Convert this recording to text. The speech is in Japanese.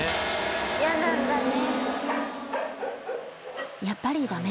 嫌なんだね。